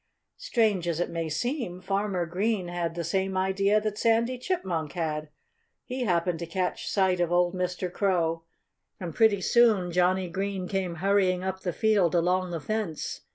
Strange as it may seem, Farmer Green had the same idea that Sandy Chipmunk had. He happened to catch sight of old Mr. Crow. And pretty soon Johnnie Green came hurrying up the field, along the fence.